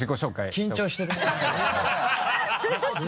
緊張してるね。